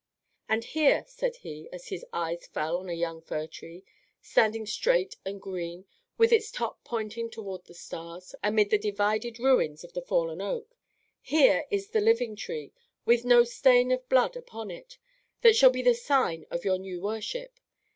"And here," said he, as his eyes fell on a young fir tree, standing straight and green, with its top pointing toward the stars, amid the divided ruins of the fallen oak, "here is the living tree, with no stain of blood upon it, that shall be the sign of your new worship.